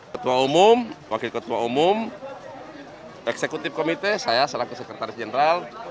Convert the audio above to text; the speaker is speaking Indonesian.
ketua umum wakil ketua umum eksekutif komite saya selaku sekretaris jenderal